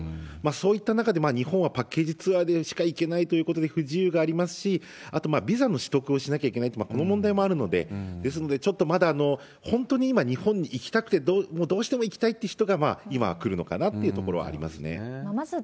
そういった中で、日本はパッケージツアーでしか行けないということで不自由がありますし、あとビザの取得もしなきゃいけないと、この問題もあるので、ですので、ちょっとまだ本当に今日本に行きたくて、もうどうしても行きたいって人が、今来るのかなというところはあるのかなとありますね。